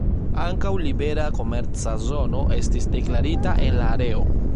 Ankaŭ libera komerca zono estis deklarita en la areo.